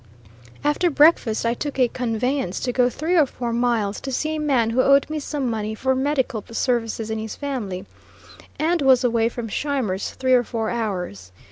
After breakfast I took a conveyance to go three or four miles to see a man who owed me some money for medical services in his family, and was away from Scheimer's three or four hours.